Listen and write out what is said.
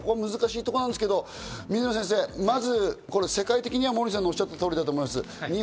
難しいところですけど、水野先生、世界的にはモーリーさんがおっしゃった通りだと思います。